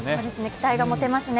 期待が持てますね。